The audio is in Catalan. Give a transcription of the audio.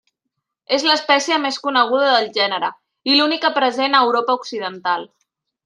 És l'espècie més coneguda del gènere, i l'única present a Europa Occidental.